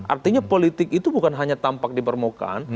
artinya politik itu bukan hanya tampak di permukaan